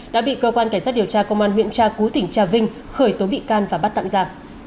đã bị cơ quan cảnh sát điều tra công an huyện tra cú tỉnh trà vinh khởi tố bị can và bắt tạm giả